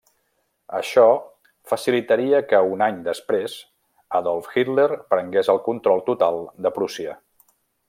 Això facilitaria que un any després Adolf Hitler prengués el control total de Prússia.